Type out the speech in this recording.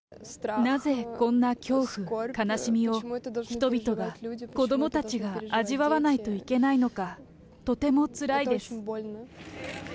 なぜこんな恐怖、悲しみを人々が、子どもたちが味わわないといけないのか、とてもつらいです。